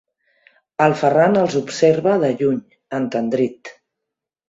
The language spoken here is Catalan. El Ferran els observa de lluny, entendrit.